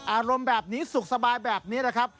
อารมณ์แบบนี้สุขสบายแบบนี้นะครับ